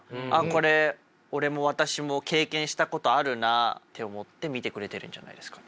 これ俺も私も経験したことあるなって思って見てくれるんじゃないですか。